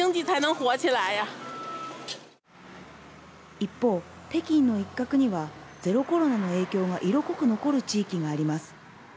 一方、北京の一角にはゼロコロナの影響が色濃く残る地域があります。